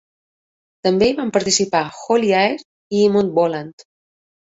També hi van participar Holly Aird i Eamon Boland.